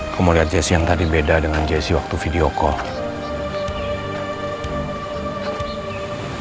aku mau lihat jessi yang tadi beda dengan jessi waktu video call